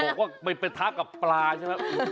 บอกว่าไปปะทะกับปลาใช่ไหม